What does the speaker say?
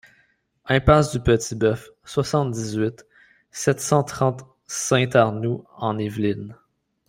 Impasse du Petit Boeuf, soixante-dix-huit, sept cent trente Saint-Arnoult-en-Yvelines